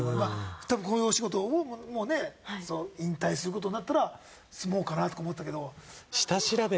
たぶんこのお仕事をもうね引退することになったら住もうかなとか思ったけど。